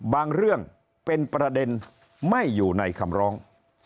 เรื่องเป็นประเด็นไม่อยู่ในคำร้อง